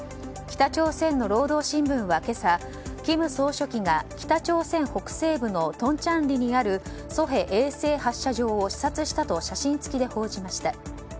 北朝鮮の労働新聞は今朝金総書記が北朝鮮北西部のトンチャンリにあるソヘ衛星発射場を視察したと写真付きで報じました。